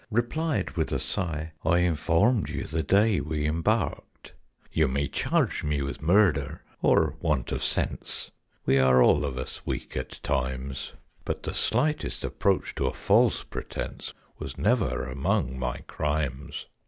replied, with a sigh, "I informed you the day we embarked. "You may charge me with murder or want of sense (We are all of us weak at times): But the slightest approach to a false pretence Was never among my crimes!